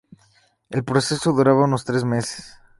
El proceso duraba unos tres meses.